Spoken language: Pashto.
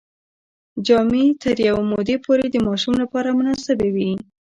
جامې تر یوې مودې پورې د ماشوم لپاره مناسبې وي.